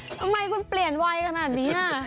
ทำไมคุณเปลี่ยนไวขนาดนี้